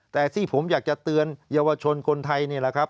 แต่ที่ผมอยากจะเตือนเยาวชนคนไทยนี่แหละครับ